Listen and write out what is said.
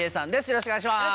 よろしくお願いします！